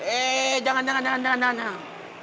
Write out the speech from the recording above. eh jangan jangan jangan